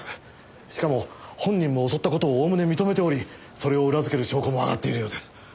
しかも本人も襲った事をおおむね認めておりそれを裏付ける証拠も挙がっているようです。